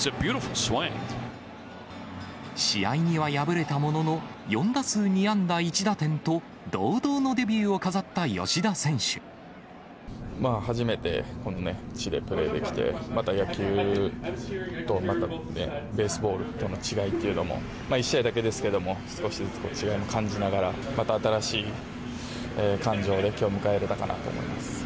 試合には敗れたものの、４打数２安打１打点と、初めてこの地でプレーできて、また野球とまたベースボールとの違いっていうのも、１試合だけですけども、少しずつ違いも感じながら、また新しい感情できょうを迎えられたかなと思います。